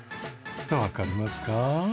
わかりますか？